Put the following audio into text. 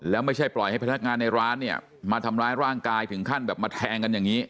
แล้วไม่ใช่ปล่อยให้พนักงานในร้านเนี่ยมาทำร้ายร่างกายถึงขั้นแบบมาแทงกันอย่างนี้